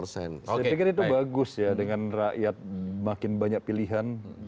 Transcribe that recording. saya pikir itu bagus ya dengan rakyat makin banyak pilihan